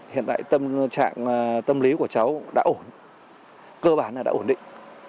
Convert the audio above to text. hiện tại tâm trạng tâm lý của cháu đã ổn cơ bản đã ổn định